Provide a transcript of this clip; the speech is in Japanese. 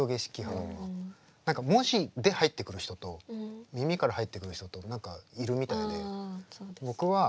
何か文字で入ってくる人と耳から入ってくる人といるみたいで。